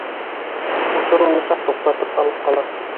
Мансур уны саҡ туҡтатып алып ҡала.